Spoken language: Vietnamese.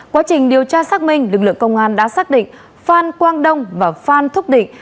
quá trình điều tra xác minh lực lượng công an đã xác định phan quang đông và phan thúc định